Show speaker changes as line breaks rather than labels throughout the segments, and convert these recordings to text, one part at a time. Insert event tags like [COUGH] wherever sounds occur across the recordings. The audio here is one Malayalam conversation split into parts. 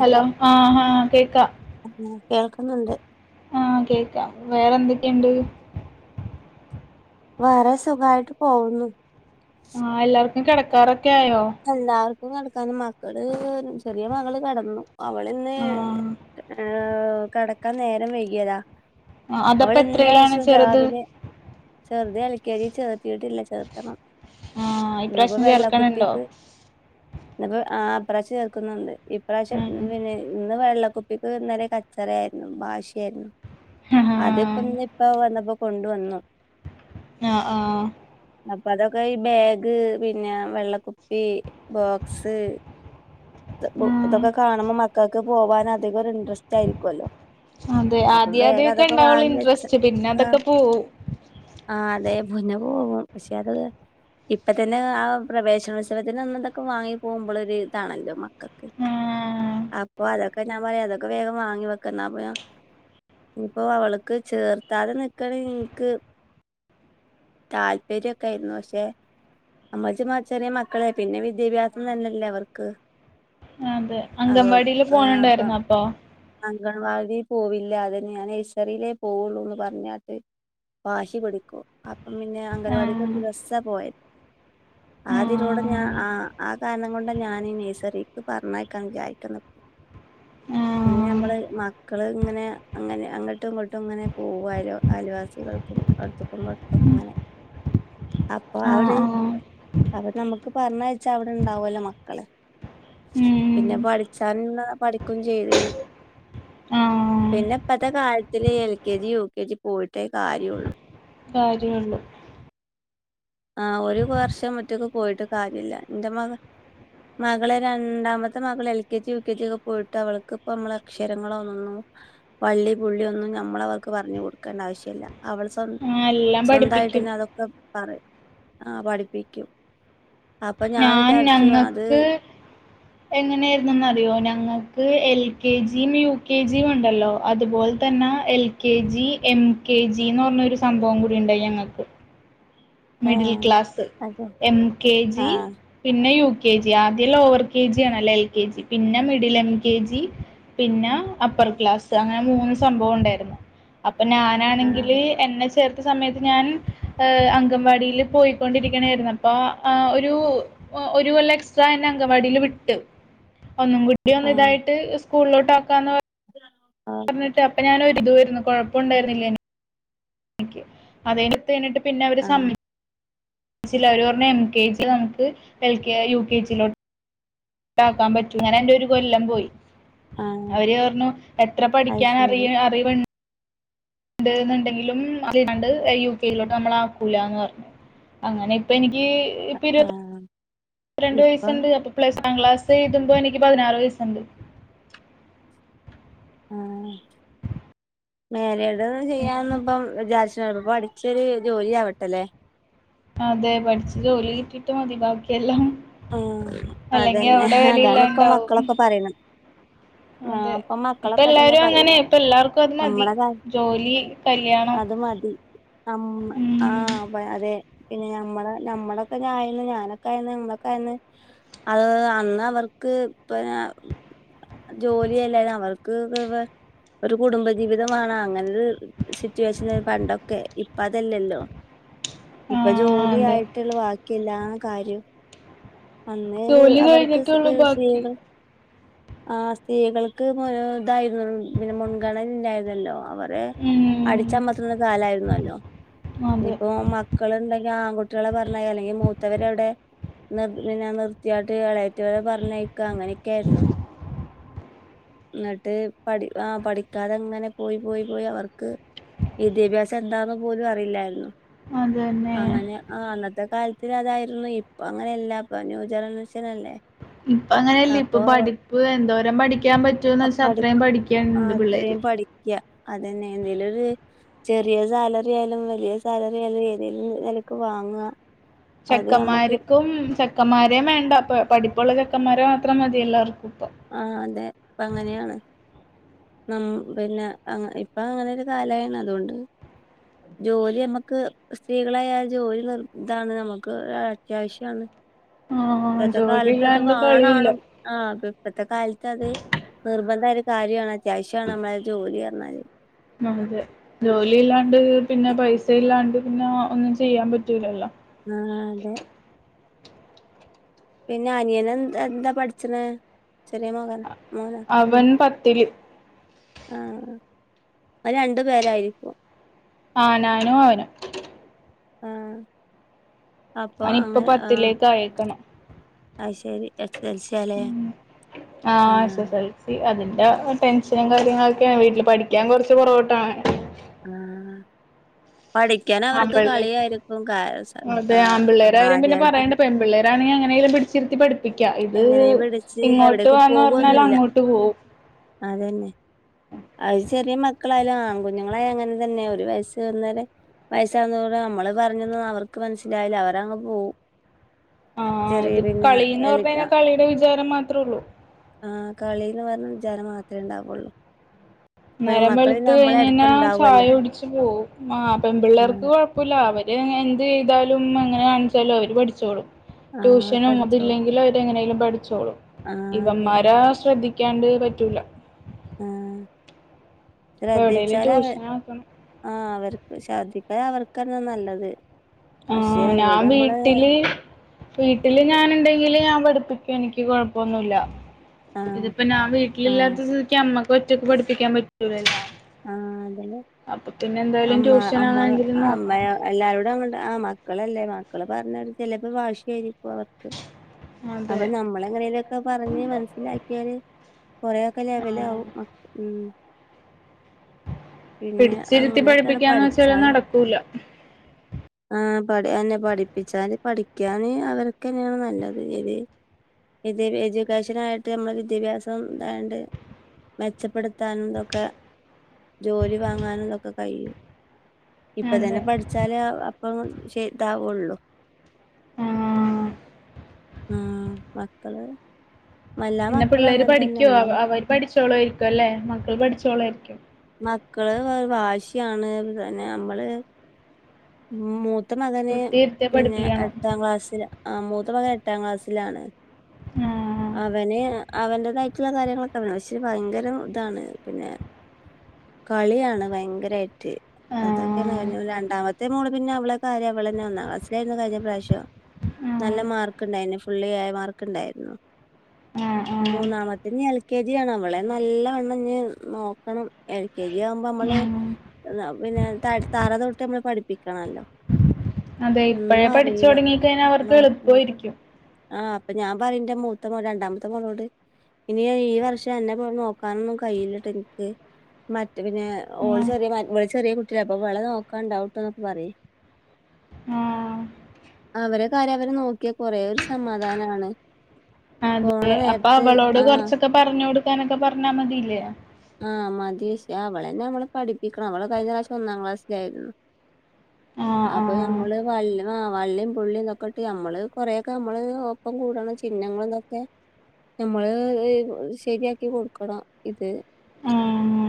ഹലോ, ആഹ് ആഹ് കേക്കാ
[UNINTELLIGIBLE] കേൾക്കുന്നുണ്ട്.
ആഹ്, കേക്കാം വേറെ എന്തൊക്കെണ്ട്?
വേറെ സുഖായിട്ട് പോകുന്നു.
ആഹ്, എല്ലാവർക്കും കെടക്കാറൊക്കെ ആയോ?
എല്ലാവർക്കും കെടക്കാന് മക്കള് ചെറിയ മകള് കെടന്നു. അവള്ന്ന്
ആഹ്
ഏയ് കെടക്കാൻ നേരം വൈകിയതാ.
ആഹ് അതപ്പ എത്രയിലാണ്
അവളെല്ലാസവും
ചെറുത്
രാവിലെ ചെർത് എൽ കെ ജി ചേർത്തീട്ടില്ല, ചേർത്തണം.
ആഹ്
ഇന്നപ്പോ
ഇപ്രാവശ്യം
വെള്ള
ചേർക്കണുണ്ടോ
കുപ്പിക്ക് ഇന്ന്പ്പോ ആഹ് ഇപ്രാവശ്യം ചേർക്കുന്നുണ്ട്. ഈപ്രാവശ്യം
ഉം
പിന്നെ ഇന്ന് വെള്ളക്കു പ്പിക്ക് ന്നലെ കച്ചറയായിര്ന്നു. വാശിയായിരുന്നു.
ആഹ്
അതിപ്പംന്ന്
ആഹ്
ഇപ്പ വന്നപ്പോ കൊണ്ടുവന്നു.
ആഹ്, ആഹ്
അപ്പൊ അതൊക്കെ ഈ ബേഗ് പിന്നെ വെള്ളക്കുപ്പി, ബോക്സ് തൊ ബു
ആഹ്
ഇതൊക്കെ കാണുമ്പൊം മക്കൾക്ക് പോവാനധികം ഒരു ഇൻഡ്രസ്റ്റായിരിക്കുവല്ലോ.
അതെ, ആദ്യാദ്യൊക്കെ ണ്ടാവൊള്ളൂ
വെച്ച
ഇൻഡ്രസ്റ്റ്. പിന്നെ അതൊക്കെ പോവു
ആഹ് അതെ പിന്നെ പോവും പക്ഷേ അത് ഇപ്പ തന്നെ ആ പ്രവേശനോത്സവത്തിൻ്റന്ന്തൊക്കെ വാങ്ങി പോവുമ്പളൊരു ഇതാണല്ലോ. കക്ക്
ആഹ്
അപ്പൊ അതൊക്കെ ഞാൻ പറയ അതൊക്കെ വേഗം വാങ്ങി വെക്കന്നാ പോ [UNINTELLIGIBLE] ഞ്ഞിപ്പൊ അവള്ക്ക് ചേർത്താതെ നിക്കണെൻക്ക് താല്പര്യൊക്കെ ആയ്രുന്നു. പക്ഷേ അമ്മച്ചിമ്മ ചെറിയ മക്കളെ പിന്നെ വിദ്യാഭ്യാസം തന്നെല്ലേ അവർക്ക്.
അതെ, അങ്കൻവാടില് പോണണ്ടായിരുന്നോ അപ്പൊ?
അങ്കൺവാടി പോവില്ല, അതന്ന്യാ നഴ്സറിയിലേ പോവുള്ളൂന്ന് പറഞ്ഞാട്ട് വാശി പിടിക്കൂ, അപ്പം പിന്നെ അംഗരവാടിക്ക് ഒരു
ആഹ്
ദിവസ പോയത്. അതിലൂടെ ഞാ
ആഹ്
ആഹ് ആ കാരണം കൊണ്ടാ ഞാന് നെഴ് പെറീക്ക് പർഞ്ഞയ്ക്കാ വിചാരിക്ക്ന്ന്
ആഹ്.
പിന്നെ ഞമ്മള് മക്കള്ങ്ങനെ അങ്ങനെ അങ്ങട്ടും ങ്ങട്ടും ങ്ങനെ പോവാലോ അയൽവാസികൾക്കും [UNINTELLIGIBLE] ക്കെങ്ങനെ
[INAUDIBLE]
അപ്പൊ ആ ഒര്
ആഹ് ആഹ്
അപ്പൊ നമുക്ക് പറഞ്ഞ് വെച്ചാ അവിടെണ്ടാവല്ലോ മക്കള്.
ഉം
പിന്നെ പഠിച്ചാല് ള്ള പഠിക്കും ചെയ്യും
ആഹ്
പിന്നെ ഇപ്പത്തെ കാലത്തില് L K G U K G പോയിട്ടേ കാര്യൊള്ളൂ.
കാര്യൊള്ളൂ.
ആഹ് ഒരു വർഷം ഒറ്റക്ക് പോയിട്ട് കാര്യല്ല. ഇന്റെ മക മകളെ രണ്ടാമത്തെ മകൾ L K G U K G ഒക്കെ പോയിട്ട് അവൾക്ക് ഇപ്പോ നമ്മൾ അക്ഷരങ്ങളൊന്നും വള്ളി പുള്ളി ഒന്നും നമ്മളവർക്ക് പറഞ്ഞ് കൊടുക്കണ്ട ആവശ്യല്ല. അവള് സ്വ
ആ എല്ലാം പഠിപ്പിക്കും
സ്വന്തായിട്ടന്നെ അതൊക്കെ പറിം. ആഹ് പഠിപ്പിക്കും. അപ്പൊ ഞാൻ വിചാരിച്ചു അത്
എങ്ങനെയായിരുന്നെന്നറിയോ ഞങ്ങൾക്ക് L K gym U K gym ഉണ്ടല്ലോ അതുപോൽ തന്നെ L K G M K G ന്ന് പറഞ്ഞൊരു സംഭവം കൂടി ഉണ്ട് ഞങ്ങൾക്ക്.
ആ
മിഡിൽ ക്ലാസ്
അതെ
എം കെ
ആ
ജി പിന്നെ യു കെ ജി. ആദ്യം ലോവർ കെ ജി ആണല്ലേ എൽ കെ ജി. പിന്നെ മിഡിൽ എം കെ ജി പിന്നെ അപ്പർ ക്ലാസ് അങ്ങനെ മൂന്ന് സംഭവം ഉണ്ടായിരുന്നു. അപ്പം ഞാ
ആ
നാണെങ്കില് എന്നെ ചേർത്തിയ സമയത്തു ഞാൻ ഏഹ് അം ങ്കംവാടിയില് പോയിക്കൊണ്ടിരിക്ക്ണേര്ന്നു അപ്പൊ ആ ഒരു ഒ ഒരു കൊല്ലം എക്സ്ട്രാ എന്നെ അങ്കവാടില് വിട്ട് ഒന്നും കൂ ടി
ആ
ഒന്ന് ഇതായിട്ട് സ്കൂളിലോട്ട് ആക്കാന്ന്
ആ
പർഞ്ഞിട്ട് അപ്പ ഞാന് ഒരുത്വായിരുന്നു കുഴപ്പ ഉണ്ടായ്രുന്നില്ല എ നിക്ക്. അത് കഴിഞ്ഞപ്പത്തേനൊട്ട് പിന്നെ അവര്
ആ
സമ് ച്ചില്ല. അവര് പർണ് എം കെ ജി നമുക്ക് L K U K G യിലോ ട്ടാക്കാൻ പറ്റൂ ഇങ്ങനെ എന്റെ ഒരു കൊല്ലം പോയി.
ആ
അവര് പർണു എത്ര
അത്
പഠിക്കാനറിയ
ശരി
അറിവ് ണ്ട് ന്ന്ണ്ടെങ്കിലും [UNINTELLIGIBLE] യു കെ യിലോട്ട് നമ്മൾ ആക്കൂലാന്ന് പർഞ്ഞു. അങ്ങനെ ഇപ്പ എനിക്ക്
അആഹ്
രണ്ട് വയസ്സുണ്ട് അപ്പൊ പ്ലസ് വൺ ക്ലാസ് എഴുതുമ്പോ എനിക്ക് പതിനാറ് വയസുണ്ട്.
ആഹ് മേരേഡൊന്നും ചെയ്യാനൊന്നും ഇപ്പം വിചാരിച്ച്ണൊള്ളു ഇപ്പ പഠിച്ചൊരു ജോലി ആവട്ട ലേ.
അതെ. പഠിച്ച് ജോലി കിട്ടിയിട്ട് മതി ബാക്കിയെല്ലാം.
ആഹ്
അല്ലെങ്കി
അതന്നെ
അവിടെ
അതാണ് ഇപ്പം
വിലയില്ലാണ്ടാവും
മക്കളൊക്കെ പറയ്ണത്. ആഹ്
അതെ
ഇപ്പം
ഇപ്പൊ
മക്കളൊക്കെ അതന്നെ
എല്ലാരും അങ്ങനെ
പറയ്ന്നെ.
ഇപ്പൊ എല്ലാർക്കും അത് മതി
നമ്മടെ കാര്
ജോലി കല്യാണം
അത് മതി അമ്
ഉം
ആഹ് അതെ പിന്നെ ഞമ്മള് ഞമ്മളൊക്കെഞായന്ന് ഞാനൊക്കെ ആയന്ന് നമ്മളൊ ക്കായന്ന് അത് അന്ന് അവർക്ക് പിനെ ജോലി അല്ലേന്നു അവർക്ക് [UNINTELLIGIBLE] ഒരു കുടുംബജീവിതം വേണം അങ്ങനൊര് സിറ്റുവേഷനേ പണ്ടൊക്കെ ഇപ്പ അതല്ലല്ലോ ഇപ്പ
ആഹ്
ജോലി
അതെ
ആയിട്ടൊള്ളു ബാക്കിയെല്ലാ കാര്യും. അന്ന് വ്
ജോലി
അവർക്ക്
കഴിഞ്ഞിട്ടുള്ളു
സ്
ബാക്കി
സ്ത്രീകൾ ആഹ് സ്ത്രീകൾക്ക് [UNINTELLIGIBLE] ഇതായിരുന്നു പിന്നെ മുൻഗണന ഇല്ലായിരുന്നല്ലോ അവർ റെ
ഉം
അടിച്ചമർത്തുന്ന കാലായിരുന്നല്ലോ.
അതെ
ഇനിപ്പോ മക്കള് ണ്ടെങ്കി ആൺകുട്ടിയേളെ പർഞ്ഞയ് അല്ലെങ്കി മൂത്തവരെ അവ്ടെ നിർ പിന്നെ നിർത്തിയാട്ട് ഇളയറ്റാളെ പർഞ്ഞയക്കാ അങ്ങനെയൊക്കെ ആയിരുന്നു. ഇന്നട്ട് പഠി ആഹ് പഠിക്കാതെ ങ്ങനെ പോയി പോയി പോയി അവർക്ക് വിദ്യാഭ്യാസം എന്താന്ന് പോലും അറിയില്ലായിരുന്നു.
അതന്നെ
അങ്ങനെ ആ അന്നത്തെ കാലത്ത് അതായിരുന്നു ഇപ്പ അങ്ങനെയല്ല ഇപ്പ ന്യൂ ജനറേഷൻ അല്ലേ
ഇപ്പ അങ്ങനെയല്ല ഇപ്പൊ
അപ്പൊ
പഠിപ്പ് എന്തോരം പഠിക്കാൻ പറ്റൂന്ന് വെച്ച അത്രയും പഠിക്കണുണ്ട് പിള്ളേര്
യ അതന്നെ എന്തെലൊര് ചെറിയ സാലറി ആയാലും വലിയ സാലറി ആയാലും ഏതേലും നിലക്ക് വാങ്ങുക അത് നമ്മുക്ക്
ചെക്കന്മാര്ക്കും ചെക്കന്മാരേം വേണ്ട അപ്പ പഠിപ്പുള്ള ചെക്കന്മാരെ മാത്രംമതി എല്ലാവർക്കും ഇപ്പം
ആഹ് അതെ ഇപ്പൊങ്ങനെയാണ് ന്ന പിന്നെ ഇപ്പൊ അങ്ങനൊരു കാലാണ് അതുകൊണ്ട് ജോലി നമ്മക്ക് സ്ത്രീകളായ ജോലി നിർ ഇതാണ് നമുക്ക് അത്യാവശ്യാണ്
ആഹ്
ഇപ്പൊത്തെ
ജോലി
കാലത്ത് അത്
ഇല്ലാണ്ട് കളിയില്ല
വാണാണ് ആഹ ഇപ്പത്തെ കാലത്തത് നിർബന്ധായൊരു കാര്യാണ് അത്യാവശ്യാണ് നമ്മളെ ജോലിന്ന് പറഞ്ഞാല്
അതെ ജോലില്ലാണ്ട് പിന്നെ പൈസല്ലാണ്ട് പിന്നെ ഒന്നും ചെയ്യാൻ പറ്റൂലല്ലോ
ആഹ് അതെ പിന്നെ അനിയെനെന്താ പഠിച്ചണ് ചെറിയ മകൻ മോന
അവൻ പത്തില്
ആ അ രണ്ടു പേരായിരിക്കും
ആനാനും അവന
ആഹ്
അവനിപ്പം പത്തിലേക്ക് അയേക്കണ്
അയ്ശരി എസ് എൽ സി ആല്ലേ
ഉം ആഹ് എസ് എസ് എൽ സി അതിന്റെ ടെൻഷനും കാര്യങ്ങളൊക്കെയാണ് വീട്ടിൽ പഠിക്കാൻ കുറച്ച് പുറകോട്ടാണ്
ആ പഠി ഠിക്കാനവർക്ക്
ആമ്പിള്ളേ
കളിയായിരിക്കും ആ കാര്യായിട്ട്
പെൺ പിള്ളേരാണെങ്കി എങ്ങനെയെലും പിടിച്ചിരുത്തി പഠിപ്പിക്ക് ഠിപ്പിക്കാം ഇത്
എങ്ങനെ പിടിച്ച്
ഇങ്ങോട്ട്
എവിടേക്ക്
വാന്ന് പറഞ്ഞാൽ
പോകൊന്നുല്ല
അങ്ങോട്ട് പോവും
അതന്നെ അത് ചെറിയ മക്കളായാലും ആൺകുഞ്ഞുങ്ങളായ അങ്ങനെ തന്നെ ഒരു വയസ്സ് ആവ്ന്നേരെ വൈസാകുന്നോടെ നമ്മള് പറഞ്ഞൊന്നും അവർക്ക് മനസ്സിലാവില്ല അവരങ്ങ് പോവും
ആ
ചെറിയ
അത്
പിന്നെ
കളിന്ന്
എൽ
പറഞ്ഞഴിഞ്ഞാൽ കളീടെ വിചാരം മാത്രേള്ളൂ
ആ കളിന്ന് പറഞ്ഞ വിചാരം മാത്രെ ഉണ്ടാവുള്ളൂ
നേരം
പെൺമക്കള്
വെളുത്ത്
നമ്മളെ
കഴിഞ്ഞാ
അടുത്തുണ്ടാവല്ലോ
ചായകുടിച്ച് പോവും ആ പെൺ പിള്ളേർക്ക്
ആഹ്
കൊഴപ്പ അപ്പല്ല അവര് എന്ത് ചെയ്താലും എങ്ങനെ കാണിച്ചാലും അവര് പഠിച്ചോളും
ആഹ്
ട്യൂഷനും
പഠിച്ചോളും
അതില്ലെങ്കിലും അവരെങ്ങനെങ്കിലും പഠിച്ചോളും
ആഹ് അതെ
ഇവന്മാരാ ശ്രദ്ധിക്ക ക്കാണ്ട് പറ്റൂല്ല
ആ
അപ്പൊ എവിടെലും
ശ്രദ്ധിച്ചാലവര്
ട്യൂഷനാക്കണം
ആ അവർക്ക് ശ്രദ്ധിച്ച അവർക്കെന്നെ നല്ലത്
ആ
പക്ഷെ
ഞാൻ
അവരോട് നമ്മള്
വീട്ടില് വീട്ടില് ഞാനുണ്ടെങ്കില് ഞാൻ പഠിപ്പിക്കും എനിക്ക് കൊഴപ്പൊന്നുല്ല
ആഹ്
ഇതിപ്പോ ഞാൻ
ആഹ്
വീട്ടിലില്ലാത്ത സ്ഥിതിക്ക് അമ്മക്ക് ഒറ്റക്ക് പഠിപ്പിക്കാൻ പറ്റൂലല്ലോ
ആഹ് അതന്നെ
അപ്പൊ പിന്നെ എന്തായാലും
അമ്മ
ട്യൂഷൻ
അമ്മ
അങ്ങനെ എങ്കിലും
അമ്മ
നോക്കണം
എല്ലാരോടും അങ്ങണ്ട് ആ മക്കളല്ലേ മക്കള് പറഞ്ഞ ചിലപ്പോ ഭാഷിയായിരിക്കും അവർക്ക് അപ്പൊ
അതെ
നമ്മളെങ്ങനെങ്കിലൊക്കെ പറഞ്ഞ് മനസ്സിലാക്കിയാല് കൊറെയൊക്കെ ലെവലാവും
ആ
ഉം പിന്നെ
പിടിച്ചിരുത്തി
അങ്ങനെയൊക്കെയാണ്
പഠിപ്പിക്കാന്ന് വെച്ചാല്
പഠിച്ചാല്
നടക്കൂല
ആഹ് പഠി അതെന്നെ പഠിപ്പിച്ചാന് പഠിക്ക്യാന് അവരൊക്കെന്നെയാണ് നല്ലത് ഇത് ഇത് എജൂക്കേഷനായിട്ട് ഞമ്മള് വിദ്യാഭ്യാസം തായാണ്ട് മെച്ചപ്പെട്ത്താനും തൊക്കെ ജോലി വാങ്ങാനും തൊക്കെ കഴിയും ഇപ്പ
അതെ
തന്നെ പഠിച്ചാല് അപ്പം ശെ താവാെള്ളു
ആഹ്
ആഹ് മക്കള് എല്ലാ മക്കളും അങ്ങൻ തന്നെ മ്മളെ മ
പഠിച്ചോളുവായ്രിക്കു അല്ലേ മക്കൾ പഠിച്ചോളുവായ്രിക്കും
മക്കള് വാശ്യാണ് തെന്നെ അമ്മള് ഉം മൂത്ത മകന്
കുത്തിയിരുത്തി
പിന്നെ
പഠിപ്പിക്കണം
എട്ടാം ക്ലാസ്സില ആഹ് മൂത്ത മകൻ എട്ടാം ക്ലാസ്സിലാണ്
ആഹ്
അവന് അവെന്റെതായ്റ്റ് ള്ള കാര്യങ്ങളൊക്കെ അവനാണ് പക്ഷെ ഭയങ്കരം താണ് പിന്നെ കളിയാണ് ഭയെങ്കെരായ് റ്റ് അതൊക്കെയാണ്
ആഹ്
[UNINTELLIGIBLE] രണ്ടാമത്തെ മോള് പിന്നെ അവെളെ കാര്യം അവളെന്നെ ഒന്നാം ക്ലാസ്സ്ലായ്ര്ന്നു കയ്ഞ്ഞ പ്രാശ്യം നല്ല
ആഹ്
മാർക്ക്ണ്ടായ്ന് ഫുള്ള് എ മാർക്ക്ണ്ടായ്ര്ന്നു
ആഹ്
മൂന്നാമത്തെഞ്ഞ് എൽ കെ ജി ആണ് അവളെ നല്ലവണ്ണംഞ്ഞ് നോ ക്കണം എൽ കെ ജി ആവുമ്പ അമ്മള്
ആഹ് ഉം
[UNINTELLIGIBLE] പിന്നെ ത തറ തൊട്ട് ഞമ്മള് പഠിപ്പിക്കണല്ലോ
അതെ ഇപ്പഴേ
ഒന്നും അറിയില്ല
പഠിച്ചാെടങ്ങിക്കഴിഞ്ഞാ അവർക്ക് എൾപ്പവായ്രിക്കും
പ്പൊ ഞാം പറിം ന്റെ മൂത്ത മോ രണ്ടാംത്തെ മോളോട് ഇനി ഈ വർഷം അന്നെ പോ നോക്കാനൊന്നും കയ്യില്ലട്ടൻക്ക് മറ്റ് പിന്നെ ഓള്
ഉം
ചെറി മ വെള് ചെറ്യേ കുട്ട്യല്ലെ അപ്പൊ വെളെ നോക്കാണ്ടാവുട്ടോന്നൊക്കെ പറ്യേ
ആഹ്
അവരെ കാര്യം അവര് നോക്ക്യാ കൊറേ ഒര് സമാധാനാണ് പോണ
അതെ അപ്പൊ
നേരത്ത്
അവളോട്
ആഹ്
കൊറച്ചൊക്കെ പറഞ്ഞ് കൊട്ക്കാനൊക്കെ പർഞ്ഞാ മതീലേ
ആഹ് മതി ക്ഷെ അവളെന്നെ മ്മള് പഠിപ്പിക്കണം അവള് കഴിഞ്ഞറാശ്യം ഒന്നാം ക്ലാസ്സ്ലായ്ര്ന്നു
ആഹ്
അപ്പൊ
ആഹ്
ഞമ്മള് വൽ ആഹ് വള്ളിം പുള്ളിം തൊക്കെ ത് ഞമ്മള് കൊറേ ഒക്കെ അമ്മള് ഒപ്പം കൂടണം ചിന്നങ്ങളും തൊക്കെ ഞമ്മള് ശെര്യാക്കി കൊട്ക്കണം ഇത്
ആഹ്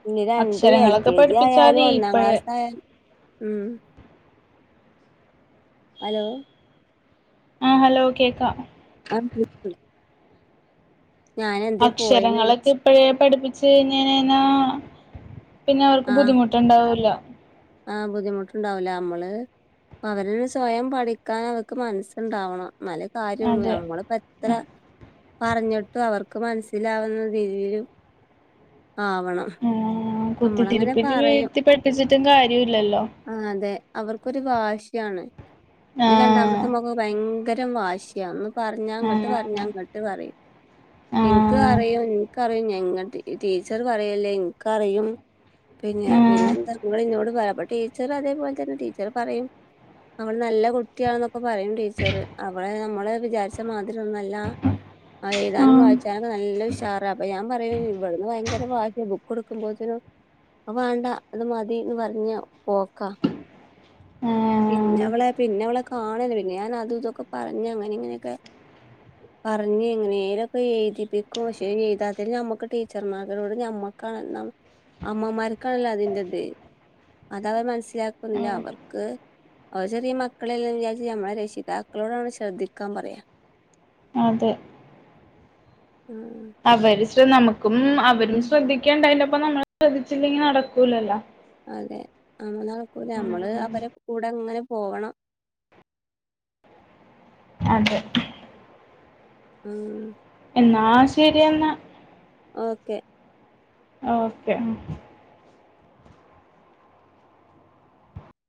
പിന്നെ രണ്ടും എൽ
അക്ഷരങ്ങളൊക്കെ
കെ ജി
പഠിപ്പിച്ചാ
ആയാലും
മതി
ഒന്നാം
ഇപ്പഴേ
ക്ലാസായാലും ഉം അലോ
ആഹ് ഹലോ കേക്കാ
[UNINTELLIGIBLE] ഞാനെന്തേ പോയെന്ന്
അക്‌ഷരങ്ങളൊക്കെ
വിചാരിച്ച്
പ്പഴേ പഠിപ്പിച്ച് കഴിഞ്ഞെഞ്ഞെയ്ഞ്ഞാ പിന്നെ അവർക്ക് ബുദ്ധിമുട്ട്ണ്ടാവൂല്ല
ആഹ് ബുദ്ധിമുട്ട്ണ്ടാവൂല അമ്മള് അവരൊരു സ്വയം പഠിക്കാനവക്ക് മൻസ്ണ്ടാവണം ന്നാലെ കാര്യാെള്ളൂ
അതെ
ഞമ്മള് പ്പെ ത്ര പറഞ്ഞിട്ടും അവർക്ക് മനസ്സിലാവ്ന്ന രീതീലും ആവണം നമ്മളങ്ങനെ
കുത്തിത്തിര്പ്പിന് വേണ്ടി പഠ്പ്പിച്ചിട്ടും കാര്യൊല്ലല്ലോ
ആഹ് അതെ അവർക്കൊരു വാശ്യാണ് ന്റെ
ആഹ്
രണ്ടാമത്തെ മോക്കൊകെ ഭയങ്കരം വാശി യാന്ന് പർഞ്ഞാ അങ്ങട്ട് പർഞ്ഞാ
ആഹ്
ഇങ്ങട്ട് പറിം ഇൻക്ക്
ആഹ്
അറിയും ഇൻക്കറിയും ഞെങ്ങെട്ട് ഈ ടീച്ചർ പറയല്ലേ ഇൻക്കറിയും പിന്നെ
ആഹ്
പിന്നെന്താ ങ്ങളിന്നോട് പാ അപ്പ ടീ ച്ചറതേപോൽതന്നെ ടീച്ചറ് പറയും അവൾ നല്ല കുട്ടിയാന്നൊക്കെ പറയും ടീച്ചറ് അവളെ നമ്മളെ വിചാര്ച്ച മാതിര്യൊന്നു അല്ലാ ആഹ് എയ്താനും വായ്ച്ചാനൊക്കെ നല്ല ഉഷാറാ അപ്പൊ ഞാൻ പറയും ഇവട്ന്ന് ഭയങ്കര വാശ്യാ ബുക്ക്ട്ക്കുമ്പോത്തിനും അഹ് വേണ്ട ഇത് മതി ന്ന് പർഞ്ഞ് പോക്കാ പിന്നെ
ആഹ്
അവളെ പിന്നെ അവളെ കാണലേന്നെ പിന്നഞാ അതുതൊക്കെ പറഞ്ഞ് അങ്ങനിം ഇങ്ങനിക്കെ
[UNINTELLIGIBLE]
പറഞ്ഞ് എങ്ങനെലൊക്കെ എഴുതിപ്പിക്കും പക്ഷേ എയ്താത്തേന് ഞമ്മക്ക് ടീച്ചർമാരരോട് ഞമ്മക്കാ ണം അമ്മമാര്ക്കാണല്ലോ അതിന്റത് അതവർ മനസ്സിലാക്കുന്നില്ല
ആഹ്
അവർക്ക് അവര് ചെറിയ മക്കളെല്ലെന്ന് വിചാര്ച്ചി ഞമ്മളെ രക്ഷിതാക്കളോടാണ് ശ്രദ്ധിക്കാം പറയാ
അതെ
ആഹ്
അവര് ശ്ര നമുക്കും അവരും ശ്രദ്ധിക്കണ്ടയ്ന്റെപ്പം നമ്മൾ ശ്രദ്ധിച്ചില്ലെങ്കി നടക്കൂലല്ലോ
അതെ അമ്മ നമ്മള്
ഉം
അവരെ കൂടെ അങ്ങനെ പോകണം
അതെ
ആ
എന്നാ ശരിയെന്ന
ഓക്കേ
ഓക്കെ ഉ